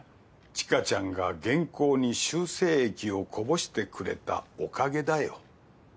知花ちゃんが原稿に修正液をこぼしてくれたおかげだよ。